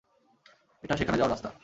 এটা সেখানে যাওয়ার রাস্তা?